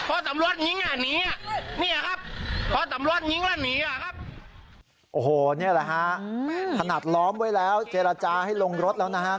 โอ้โหนี่แหละฮะถนัดล้อมไว้แล้วเจรจาให้ลงรถแล้วนะฮะ